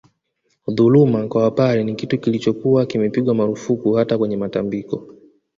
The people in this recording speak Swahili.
Dhuluma kwa Wapare ni kitu kilichokuwa kimepigwa marufuku hata kwenye matambiko